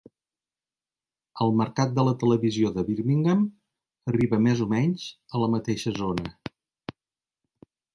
El mercat de la televisió de Birmingham arriba més o menys a la mateixa zona.